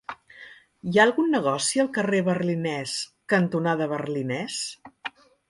Hi ha algun negoci al carrer Berlinès cantonada Berlinès?